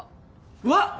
うわっ！